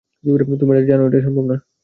তুমি জানো এটা সম্ভব না।